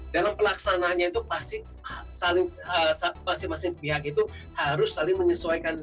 dalam pelaksananya itu pasti masing masing pihak itu harus saling menyesuaikan